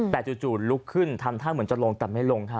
แต่จูดจู่ดลุกขึ้นทำท่ามึงจะลงแต่ไม่ลงค่ะ